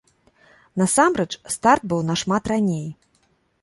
Насамрэч, старт быў нашмат раней!